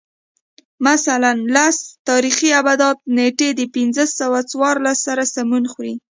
مثلاً لس تاریخي آبدات نېټې د پنځه سوه څوارلس سره سمون خوري